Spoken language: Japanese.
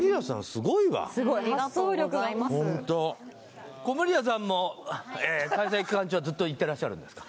すごいわホントありがとうございます籠谷さんも開催期間中はずっと行ってらっしゃるんですか？